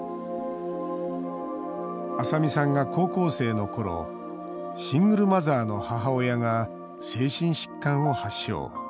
麻未さんが高校生のころシングルマザーの母親が精神疾患を発症。